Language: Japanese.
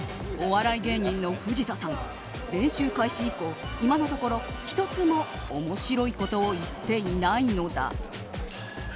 お笑い芸人の藤田さん練習開始以降今のところ１つも面白いことを言っていないのだ。